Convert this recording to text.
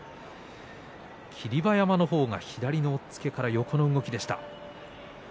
霧馬山は左の押っつけから横の動きでした。